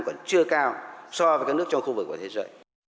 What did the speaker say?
còn chưa cao so với các nước trong khu vực của thế giới